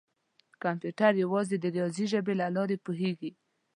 کمپیوټر یوازې د ریاضي ژبې له لارې پوهېږي.